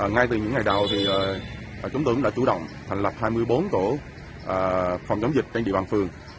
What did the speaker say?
ngay từ những ngày đầu chúng tôi cũng đã chủ động thành lập hai mươi bốn tổ phòng chống dịch trên địa bàn phường